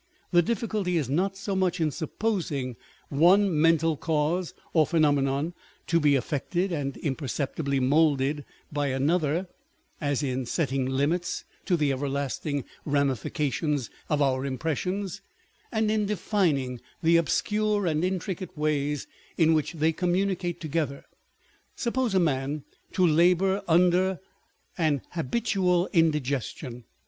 The difficulty is not so much in supposing one mental cause or phenomenon to be affected and imper ceptibly moulded by another, as in setting limits to the everlasting ramifications of our impressions, and in defining the obscure and intricate ways in which they communicate together. Suppose a man to labour under an habitual indigestion.